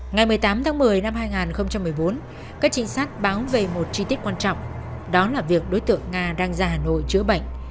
ngày một mươi tám tháng một mươi năm hai nghìn một mươi bốn các trinh sát báo về một chi tiết quan trọng đó là việc đối tượng nga đang ra hà nội chữa bệnh